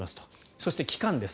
そして、期間です。